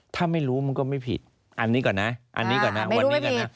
ถ้าไม่รู้มันก็ไม่ผิดอันนี้ก่อนนะอันนี้ก่อนนะวันนี้ก่อนนะ